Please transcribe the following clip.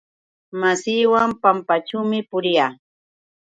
Masiiwan pampaćhuumi puriyaa.